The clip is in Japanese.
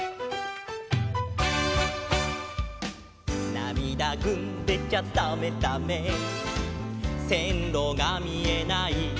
「なみだぐんでちゃだめだめ」「せんろがみえない」